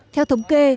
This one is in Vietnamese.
theo thống kê